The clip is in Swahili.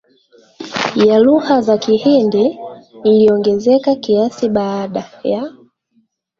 ya lugha za Kihindi iliongezeka kiasi baada ya